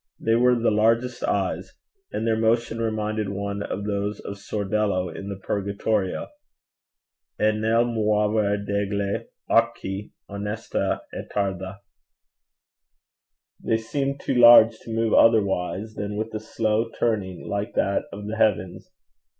They were the largest eyes; and their motion reminded one of those of Sordello in the Purgatorio: E nel muover degli occhi onesta e tarda: they seemed too large to move otherwise than with a slow turning like that of the heavens.